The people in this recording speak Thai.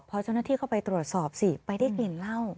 พอเจ้าหน้าที่เข้าไปตรวจสอบสิไปได้กลิ่นเหล้า